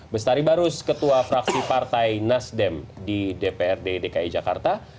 bestari barus ketua fraksi partai nasdem di dprd dki jakarta